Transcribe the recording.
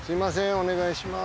お願いします！